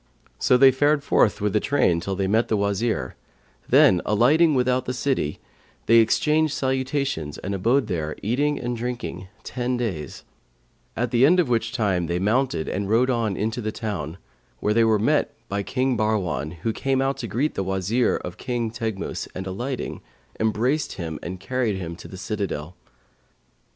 So they fared forth with the train till they met the Wazir; then, alighting without the city, they exchanged salutations and abode there, eating and drinking, ten days; at the end of which time they mounted and rode on into the town, where they were met by King Bahrwan, who came out to greet the Wazir of King Teghmus and alighting, embraced him and carried him to his citadel.